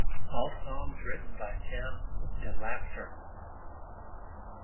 All songs written by Tim DeLaughter.